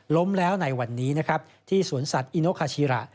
ล้มแล้วในวันนี้ที่สวนสัตว์อินโกคาชีระ